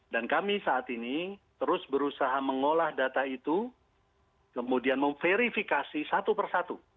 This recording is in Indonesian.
dan kami saat ini terus berusaha mengolah data itu kemudian memverifikasi satu persatu